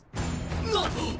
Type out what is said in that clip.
なっ！